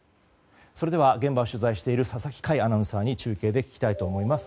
それでは現場を取材している佐々木快アナウンサーに中継で聞きたいと思います。